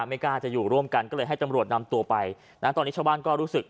ไม่กล้าจะอยู่ร่วมกันก็เลยให้ตำรวจนำตัวไปนะตอนนี้ชาวบ้านก็รู้สึก